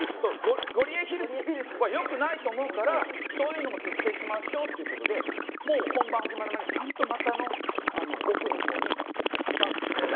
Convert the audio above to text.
ゴリエヒルズは良くないと思うからそういうのも徹底しましょうということでもう本番始まる前に股の奥のほうに挟んで。